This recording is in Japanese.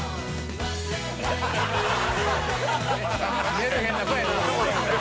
「メルヘンな子やな」